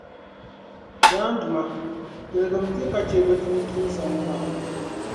Yaa n Duuma! Tilgimti ka chɛ bɛ tuuntumsa ŋɔ maa.